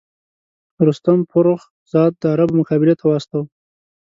رستم فرُخ زاد د عربو مقابلې ته واستاوه.